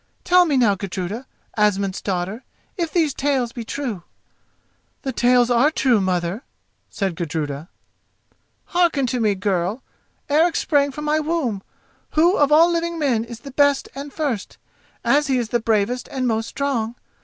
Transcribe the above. Tell me now, Gudruda, Asmund's daughter, if these tales be true?" "The tales are true, mother," said Gudruda. "Then hearken to me, girl. Eric sprang from my womb, who of all living men is the best and first, as he is the bravest and most strong.